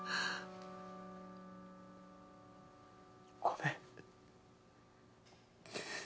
ごめん。